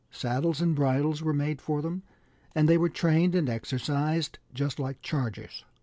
Saddles and bridles were made for them, and they were trained and exercised just like chargers.